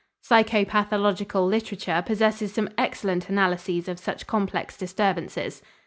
Psychopathological literature possesses some excellent analyses of such complex disturbances.